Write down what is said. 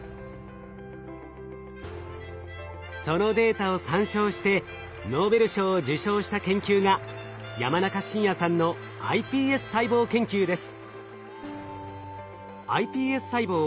そのデータを参照してノーベル賞を受賞した研究が山中伸弥さんのｉＰＳ細胞研究です。